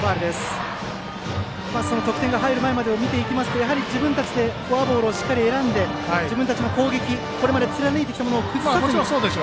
得点が入る前までを見ますと自分たちでフォアボールをしっかり選んで自分たちの攻撃これまで貫いてきたものを崩さずにという。